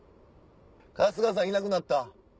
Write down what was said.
春日さんいなくなった。